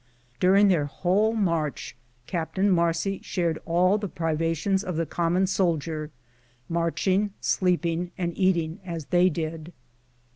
"During their whole march Captain Marcy 'shared all the privations of the common soldier, marching, sleeping, and eating as they did."